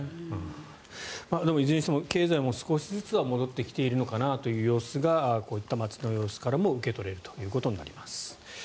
でもいずれにしても経済も少しずつは戻ってきているのかなという様子がこういった街の様子からも受け取れるということになります。